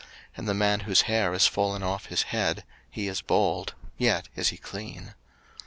03:013:040 And the man whose hair is fallen off his head, he is bald; yet is he clean.